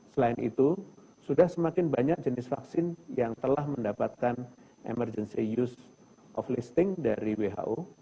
selain itu sudah semakin banyak jenis vaksin yang telah mendapatkan emergency use of listing dari who